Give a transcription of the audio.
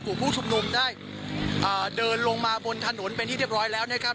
ผู้ชุมนุมได้เดินลงมาบนถนนเป็นที่เรียบร้อยแล้วนะครับ